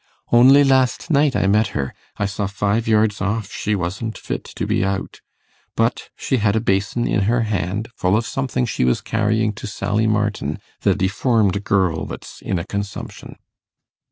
Only last night I met her, I saw five yards off she wasn't fit to be out; but she had a basin in her hand, full of something she was carrying to Sally Martin, the deformed girl that's in a consumption.